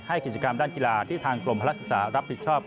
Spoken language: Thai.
กิจกรรมด้านกีฬาที่ทางกรมพลักษึกษารับผิดชอบ